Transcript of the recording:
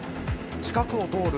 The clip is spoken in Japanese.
近くを通る